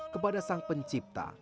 kepada sang pencipta